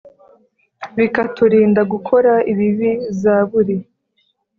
Bikaturinda gukora ibibi zaburi